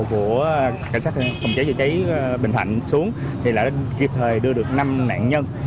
của cảnh sát công chế chỉ cháy bình thành xuống thì đã kịp thời đưa được năm nạn nhân